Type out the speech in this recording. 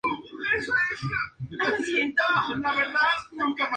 Hombre precavido, vale por dos